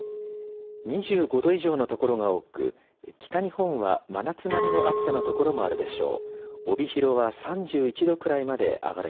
２５度以上の所が多く北日本は真夏並みの暑さの所もあるでしょう。